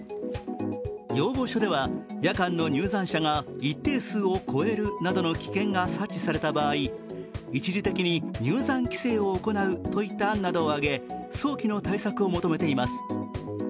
要望書では夜間の入山者が一定数を超えるなどの危険が察知された場合、一時的に入山規制を行うといった案などを挙げ早期の対策を求めています。